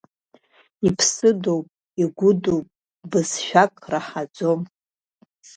Иԥсыдоуп, игәыдоуп, бызшәак раҳаӡом.